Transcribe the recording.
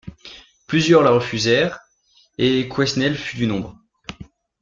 Plusieurs la refusèrent, et Quesnel fut du nombre.